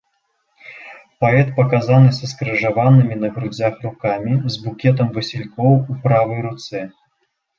Паэт паказаны са скрыжаванымі на грудзях рукамі, з букетам васількоў у правай руцэ.